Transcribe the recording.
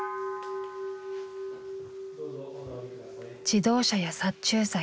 自動車や殺虫剤。